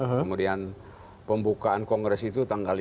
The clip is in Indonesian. kemudian pembukaan kongres itu tanggal lima